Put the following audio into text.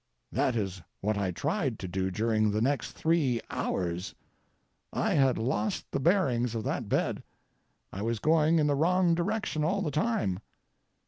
That is what I tried to do during the next three hours. I had lost the bearings of that bed. I was going in the wrong direction all the time.